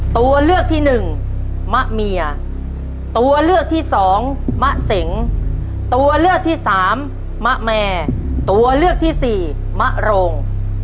ตัวเลือกที่หนึ่งมะเมียตัวเลือกที่สองมะเสงตัวเลือกที่สามมะแมตัวเลือกที่สี่มะโรง